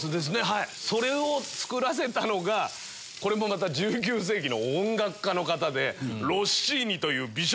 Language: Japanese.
それを作らせたのがこれもまた１９世紀の音楽家の方で。